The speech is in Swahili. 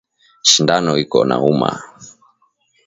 Shindano iko nauma